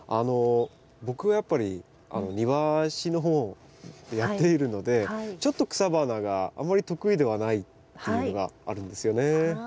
僕はやっぱり庭師の方でやっているのでちょっと草花があんまり得意ではないっていうのがあるんですよね。